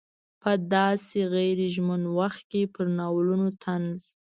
په داسې غیر ژمن وخت کې پر ناولونو طنز.